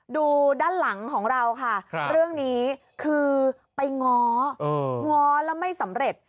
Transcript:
ดูด้านหลังของเราค่ะเรื่องนี้คือไปง้อง้อแล้วไม่สำเร็จ